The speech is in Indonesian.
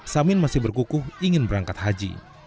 samin masih berkukuh ingin berangkat haji